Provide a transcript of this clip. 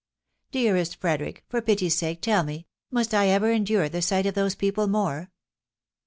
Dearest Frederic ! for pity's sake, tell me, must I ever endure the sight of those people more